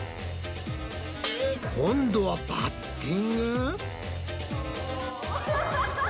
今度はバッティング？